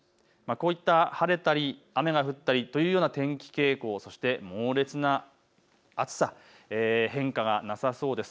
こういった晴れたり雨が降ったりというような天気傾向、そして猛烈な暑さ、変化がなさそうです。